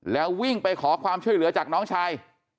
แล้ววิ่งไปขอความช่วยเหลือจากน้องชาย